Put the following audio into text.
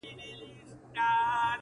ډېرې منډې به وهمه